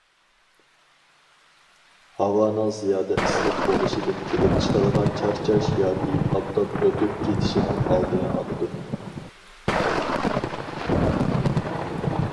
ھاۋانىڭ زىيادە ئىسسىق بولۇشىدىن كېلىپ چىقىدىغان چارچاش ياكى ئاپتاپ ئۆتۈپ كېتىشىنىڭ ئالدىنى ئالىدۇ.